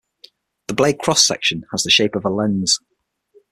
The blade cross section has the shape of a lens.